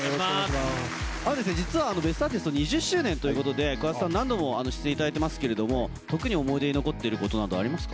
実は『ベストアーティスト』２０周年ということで、桑田さん何度もご出演していただいてますけれども、特に思い出に残ってることはありますか？